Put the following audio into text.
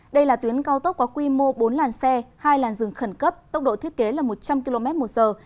đây là tuyến cao tốc có quy mô bốn làn xe hai làn rừng khẩn cấp tốc độ thiết kế là một trăm linh km một giờ